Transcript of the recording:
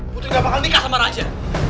putri gak bakal nikah sama raja